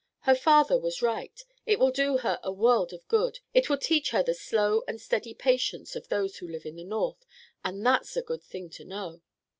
Her father was right—it will do her a world of good. It will teach her the slow and steady patience of those who live in the North, and that's a good thing to know."